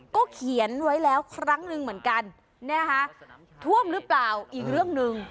ก็เขียนไว้แล้วครั้งหนึ่งเหมือนกันนะคะท่วมหรือเปล่าอีกเรื่องหนึ่ง